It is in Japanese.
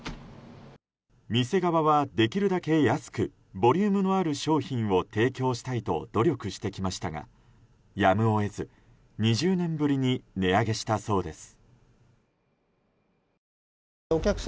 店側はできるだけ安くボリュームのある商品を提供したいと努力してきましたがやむを得ず、２０年ぶりに値上げしたそうです。